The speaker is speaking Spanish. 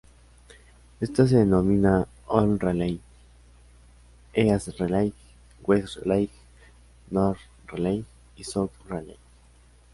Estas se denominan Old Raleigh, East Raleigh, West Raleigh, North Raleigh y South Raleigh.